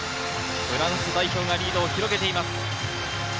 フランス代表がリードを広げています。